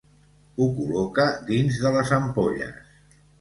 Ho col·loca dins de les ampolles.